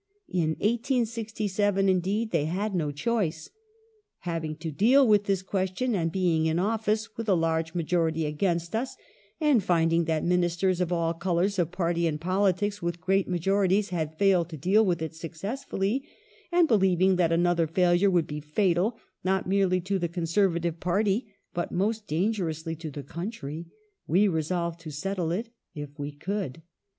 In 1867, indeed, they had no choice. '* Having to deal with this question and being in office with a large majority against us, and finding that Ministei s of all colours of party and politics with great majorities had failed to deal with it successfully, and believing that another failure would be fatal not merely to the Conservative party, but most dangerous to the country, we resolved to settle it if we could."